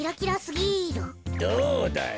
どうだい？